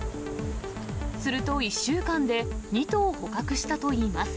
すると１週間で、２頭捕獲したといいます。